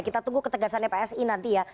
kita tunggu ketegasannya psi nanti ya